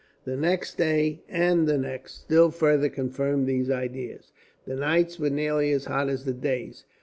The next day, and the next, still further confirmed these ideas. The nights were nearly as hot as the days.